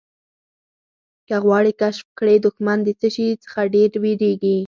که غواړې کشف کړې دښمن د څه شي څخه ډېر وېرېږي.